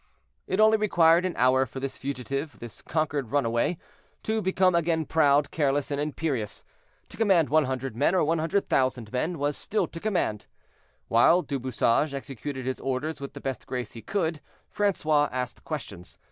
It only required an hour for this fugitive, this conquered runaway, to become again proud, careless, and imperious. To command 100 men or 100,000 men, was still to command. While Du Bouchage executed his orders with the best grace he could, Francois asked questions.